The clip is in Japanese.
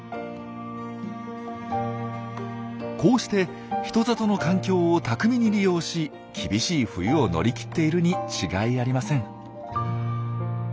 こうして人里の環境を巧みに利用し厳しい冬を乗り切っているに違いありません。